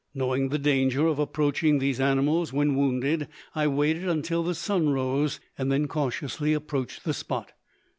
Knowing the danger of approaching these animals when wounded, I waited until the sun rose, and then cautiously approached the spot.